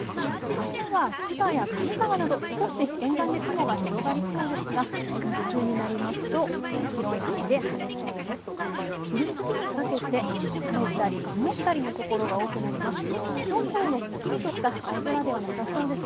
朝は千葉や神奈川など少し沿岸で雲が広がりそうですが日中になりますと広い範囲で晴れそうです。